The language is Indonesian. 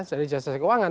dari jasa keuangan